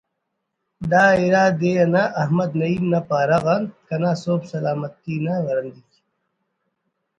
دا اِرا دے نا ءِ احمد نعیم نا پارہ غان کنا سُہب سلامتی نا ورندیک